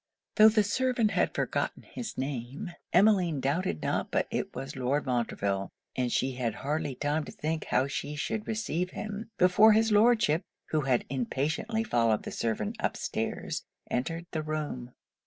Tho' the servant had forgotten his name, Emmeline doubted not but it was Lord Montreville; and she had hardly time to think how she should receive him, before his Lordship (who had impatiently followed the servant up stairs) entered the room.